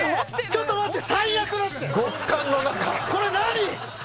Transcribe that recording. ちょっと待って。